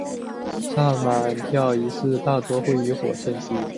萨满教仪式大多会以火献祭。